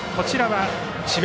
智弁